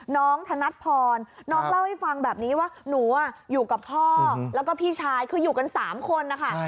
ธนัดพรน้องเล่าให้ฟังแบบนี้ว่าหนูอยู่กับพ่อแล้วก็พี่ชายคืออยู่กัน๓คนนะคะ